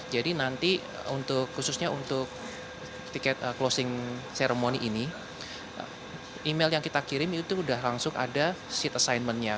jadi nanti khususnya untuk tiket closing ceremony ini email yang kita kirim itu sudah langsung ada seat assignment nya